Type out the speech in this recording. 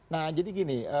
nah jadi gini